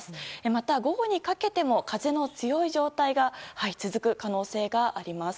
また午後にかけても風の強い状態が続く可能性があります。